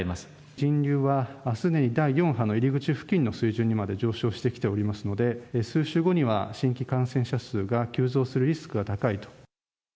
人流はすでに第４波の入り口付近の水準にまで上昇してきておりますので、数週後には新規感染者数が急増するリスクが高いと。